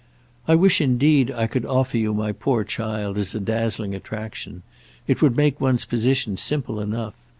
"I wish indeed I could offer you my poor child as a dazzling attraction: it would make one's position simple enough!